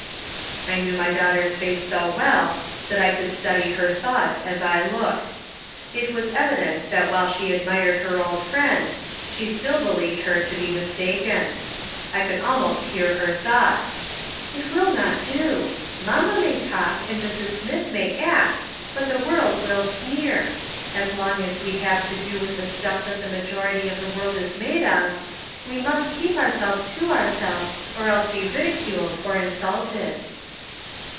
I knew my daughter's face so well tliat I could study her thoughts as I looked. It was evident that while she admired her old friend, she still believed her to be mistaken. I could almost hear lier thoughts :" It will not do. J\lamma may talk, and Mrs. Smith may act, but the world will sneer ; as long as we have to do with the stuff that the majority of the world is made of, we must keep ourselves to ourselves or else be ridiculed or insulted."